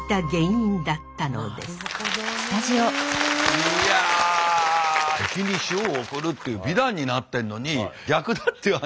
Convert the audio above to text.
いや「敵に塩を送る」っていう美談になってんのに逆だっていう話。